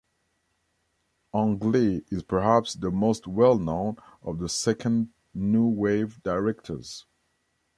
Ang Lee is perhaps the most well-known of the Second New Wave directors.